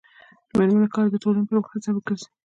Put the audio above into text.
د میرمنو کار د ټولنې پرمختګ سبب ګرځي.